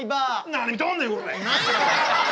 何見とんねんこら。